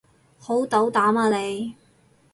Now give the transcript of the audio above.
好斗膽啊你